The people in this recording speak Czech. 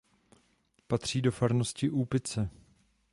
Patří do farnosti Úpice.